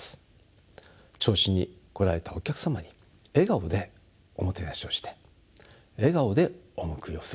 銚子に来られたお客様に笑顔でおもてなしをして笑顔でお見送りをする。